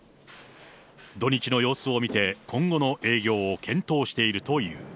土日の様子を見て、今後の営業を検討しているという。